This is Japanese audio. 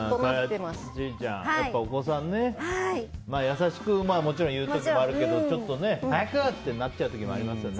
千里ちゃん、お子さんね優しく言うときももちろんあるけどちょっと早く！ってなっちゃう時もありますよね。